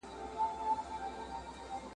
چا وویل چي دا ډېره زړه وره ده؟